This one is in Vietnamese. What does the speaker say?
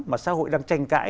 mà xã hội đang tranh cãi